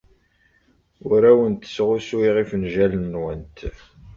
Ur awent-sɣusuyeɣ ifenjalen-nwent.